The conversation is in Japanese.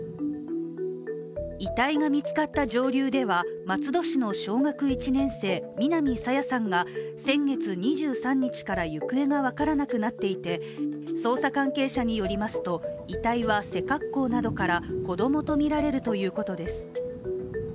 遺体が見つかった上流では松戸市の小学１年生、南朝芽さんが先月２３日から行方が分からなくなっていて、捜査関係者によりますと遺体は背格好などから子供とみられるということです。